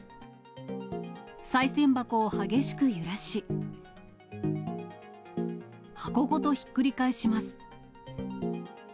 さい銭箱を激しく揺らし、箱ごとひっくり返します。